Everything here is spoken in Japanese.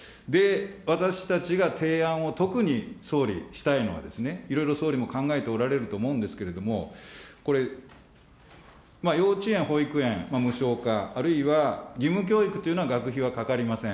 私たちが提案を特に総理、したいのはですね、いろいろ総理も考えておられると思うんですけれども、これ、幼稚園、保育園無償化、あるいは義務教育というのは学費はかかりません。